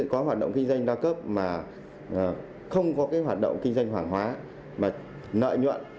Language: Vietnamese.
có hoạt động kinh doanh đa cấp mà không có hoạt động kinh doanh hoảng hóa mà lợi nhuận